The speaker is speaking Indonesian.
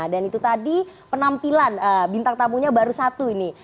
dan itu tadi penampilan bintang tamunya baru satu ini